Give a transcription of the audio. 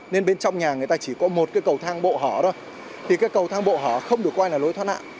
nên bên trong nhà người ta chỉ có một cái cầu thang bộ hỏa thôi thì cái cầu thang bộ hỏa không được quay là lối thoát nạn